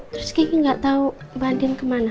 terus kiki gak tau mbak andin kemana